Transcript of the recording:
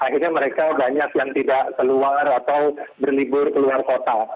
akhirnya mereka banyak yang tidak keluar atau berlibur ke luar kota